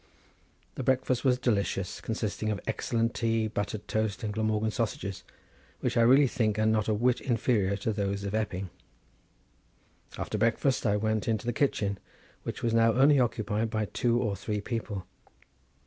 The breakfast was delicious, consisting of excellent tea, buttered toast and Glamorgan sausages, which I really think are not a whit inferior to those of Epping. After breakfast I went into the kitchen, which was now only occupied by two or three people.